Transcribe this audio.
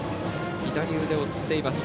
左腕をつっています。